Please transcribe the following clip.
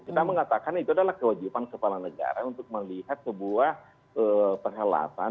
kita mengatakan itu adalah kewajiban kepala negara untuk melihat sebuah perhelatan